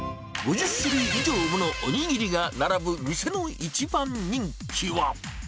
５０種類以上ものおにぎりが並ぶ店の一番人気は。